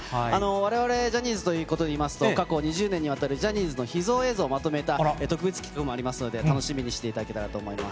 われわれ、ジャニーズということで言いますと、過去２０年にわたるジャニーズの秘蔵映像をまとめた特別企画もありますので、楽しみにしていただけたらと思います。